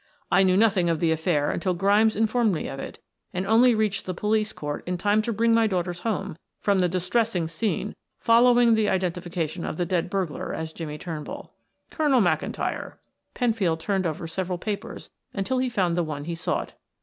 I knew nothing of the affair until Grimes informed me of it, and only reached the police court in time to bring my daughters home from the distressing scene following the identification of the dead burglar as Jimmie Turnbull." "Colonel McIntyre," Penfield turned over several papers until he found the one he sought.